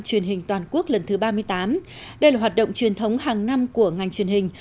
truyền hình toàn quốc lần thứ ba mươi tám đây là hoạt động truyền thống hàng năm của ngành truyền hình